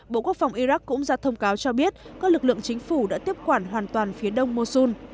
bộ quốc phòng iraq cũng ra thông cáo cho biết các lực lượng chính phủ đã tiếp quản hoàn toàn phía đông mosun